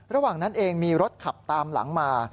ระหว่างนั้นเองมีรถขับตามหลังมา